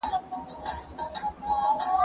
ګرځېدلی وو پر ونو او پر ژر ګو